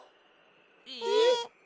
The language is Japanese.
えっ？